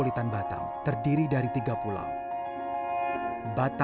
kita jangan adaead